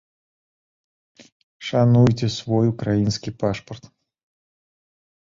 Шануйце свой украінскі пашпарт.